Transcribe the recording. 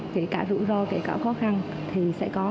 kể cả rủi ro kể cả khó khăn thì sẽ có